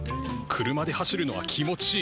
車で走るのは気持ちいい。